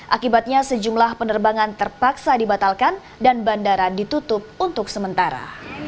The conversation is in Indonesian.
akibatnya sejumlah penerbangan terpaksa dibatalkan dan bandara ditutup untuk sementara